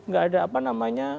gak ada apa namanya